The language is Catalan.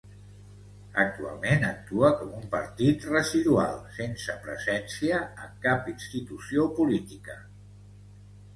Actualment actua com un partit residual, sense presència en cap institució política.